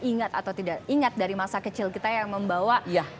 ingat atau tidak ingat dari masa kecil kita yang membawa